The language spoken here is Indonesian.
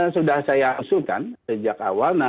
sudah saya asuhkan sejak awal